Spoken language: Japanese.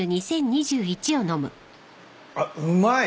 あっうまい。